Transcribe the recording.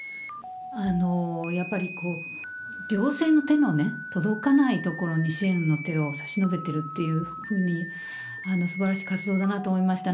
やっぱりこう、行政の手の届かないところに支援の手を差し伸べてるというのに、すばらしい活動だなと思いました。